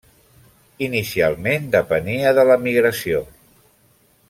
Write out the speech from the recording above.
Inicialment depenia de l'emigració.